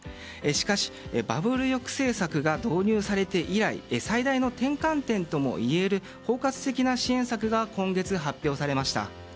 しかし、バブル抑制策が導入されて以来最大の転換点ともいえる包括的な支援策が今月発表されました。